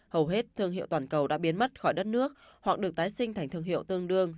hầu hết thương hiệu toàn cầu đã biến mất khỏi đất nước hoặc được tái sinh thành thương hiệu tương đương